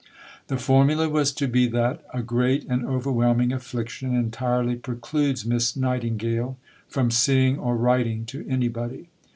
The formula was to be that "a great and overwhelming affliction entirely precludes Miss Nightingale" from seeing or writing to anybody.